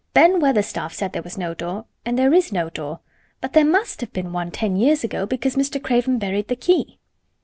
"Ben Weatherstaff said there was no door and there is no door. But there must have been one ten years ago, because Mr. Craven buried the key."